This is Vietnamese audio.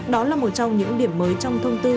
đó là một trong những điểm mới trong thông tư